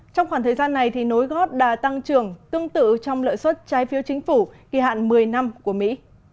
trong khoảng thời gian này nối gót đã tăng trưởng tương tự trong lợi suất trái phiếu chính phủ kỳ hạn một mươi năm của mỹ